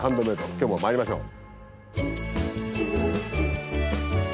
今日もまいりましょう。